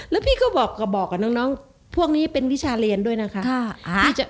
แล้วพี่ก็บอกกับน้องพวกนี้เป็นวิชาเรียนด้วยนะคะ